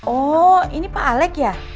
oh ini pak alek ya